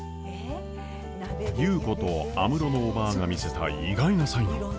優子と安室のおばぁが見せた意外な才能！